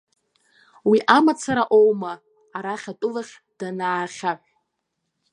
Уи амацара оума, арахь атәылахь данаахьаҳә.